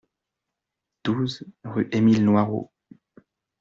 douze rue Emile Noirot